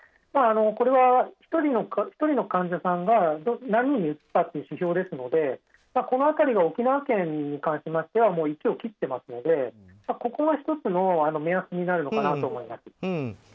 これは１人の患者さんが何人にうつすかという指標ですので沖縄県に関しましては１を切ってますのでここが１つの目安になるのかなと思います。